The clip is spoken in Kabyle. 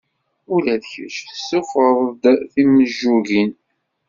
Ula d kečč tessufɣeḍ-d timejjugin.